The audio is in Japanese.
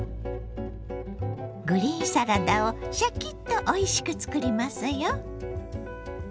グリーンサラダをシャキッとおいしく作りますよ。